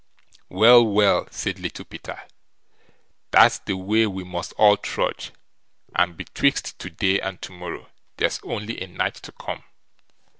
"Well! well!" said Little Peter, "that's the way we must all trudge, and betwixt to day and to morrow, there's only a night to come.